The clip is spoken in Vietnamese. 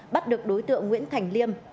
bắt được đối tượng nguyễn thành liêm